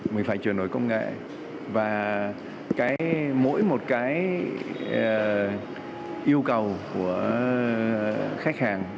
mình phải truyền nổi công nghệ và mỗi một yêu cầu của khách hàng